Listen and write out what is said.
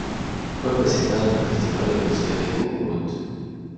Fue presentado en el festival de velocidad de goodwood.